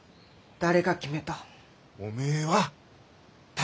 誰が決めた！？